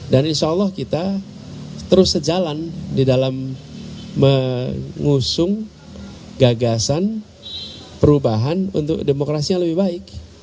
dan insya allah kita terus sejalan di dalam mengusung gagasan perubahan untuk demokrasi yang lebih baik